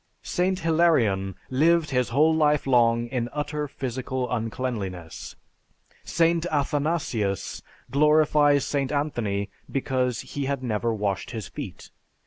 St. Hilarion lived his whole life long in utter physical uncleanliness. St. Athanasius glorifies St. Anthony because he had never washed his feet.